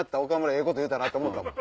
ええこと言うたなと思うたもん。